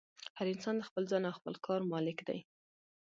هر انسان د خپل ځان او خپل کار مالک دی.